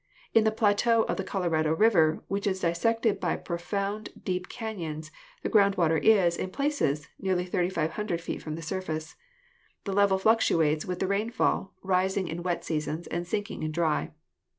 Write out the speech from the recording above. In the plateau of the Colorado River, which is dissected by pro foundly deep canons, the ground water is, in places, nearly 3,500 feet from the surface. The level fluctuates with the rainfall, rising in wet seasons and sinking in dry.